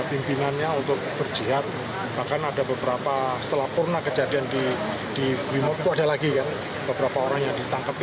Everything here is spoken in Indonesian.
pimpinannya untuk berjihad bahkan ada beberapa setelah purna kejadian di di brimob itu ada lagi kan beberapa orang yang ditangkapi